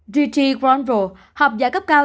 d t cronville học giả cấp cao